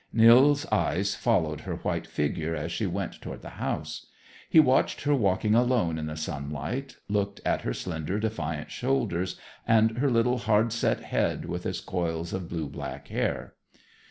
Nils' eyes followed her white figure as she went toward the house. He watched her walking alone in the sunlight, looked at her slender, defiant shoulders and her little hard set head with its coils of blue black hair.